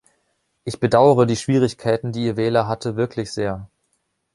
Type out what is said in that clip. Ich bedauere die Schwierigkeiten, die Ihr Wähler hatte, wirklich sehr.